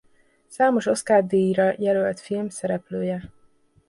Számos Oscar-díjra jelölt film szereplője.